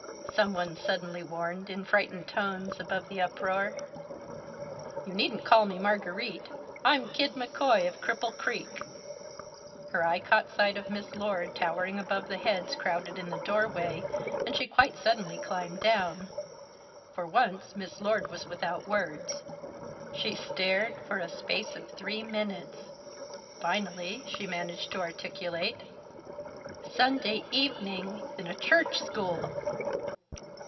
someone suddenly warned in frightened tones above the uproar. "You needn't call me Margarite. I'm Kid McCoy of Cripple Creek." Her eye caught sight of Miss Lord towering above the heads crowded in the doorway and she quite suddenly climbed down. For once, Miss Lord was without words. She stared for a space of three minutes; finally, she managed to articulate: "Sunday evening in a Church school!"